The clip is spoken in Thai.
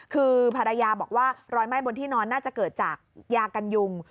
คือภรรยาบอกว่ารอยไหม้บนที่นอนน่าจะเกิดจากยากันยุง